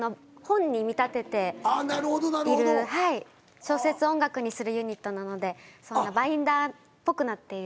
小説を音楽にするユニットなのでそんなバインダ―っぽくなっている。